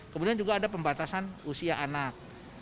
kemudian juga ada pembatasan usia anak